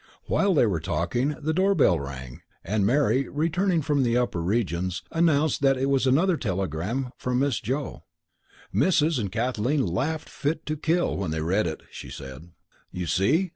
While they were talking the door bell rang, and Mary, returning from the upper regions, announced that it was "another telegram from Miss Joe. Missus and Miss Kathleen laughed fit to kill when they read it," she said. "You see?"